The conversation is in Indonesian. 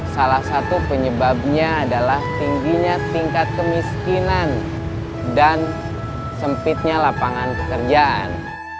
salah satu penyebabnya adalah tingginya tingkat kemiskinan dan sempitnya lapangan pekerjaan